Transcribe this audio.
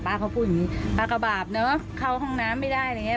เขาพูดอย่างงี้ป้าก็บาปเนอะเข้าห้องน้ำไม่ได้อะไรอย่างเงี้